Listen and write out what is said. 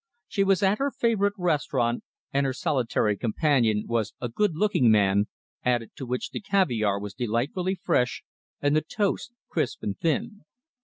She was at her favourite restaurant, and her solitary companion was a good looking man, added to which the caviar was delightfully fresh, and the toast crisp and thin.